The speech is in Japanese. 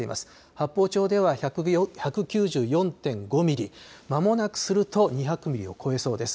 八峰町では１９４．５ミリ、まもなくすると２００ミリを超えそうです。